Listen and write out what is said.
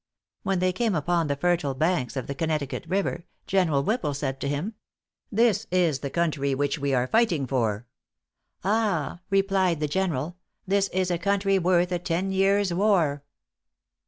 When they came upon the fertile banks of Connecticut River, General Whipple said to him, 'This is the country which we are fighting for.' 'Ah,' replied the General, 'this is a country worth a ten years' war.'"